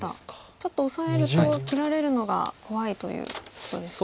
ちょっとオサえると切られるのが怖いということですかね。